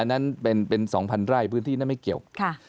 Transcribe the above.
นั้นเป็น๒๐๐ไร่พื้นที่นั้นไม่เกี่ยว